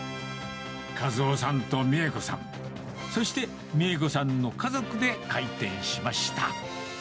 かずおさんと三枝子さん、そして、三枝子さんの家族で開店しました。